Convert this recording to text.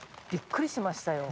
びっくりしましたよ。